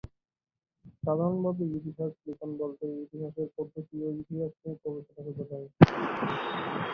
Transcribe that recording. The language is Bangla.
সাধারণভাবে ইতিহাস-লিখন বলতে ইতিহাসের পদ্ধতি ও ইতিহাস নিয়ে গবেষণাকে বোঝায়।